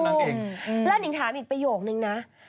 แล้วนิงถามอีกประโยคนึงนะ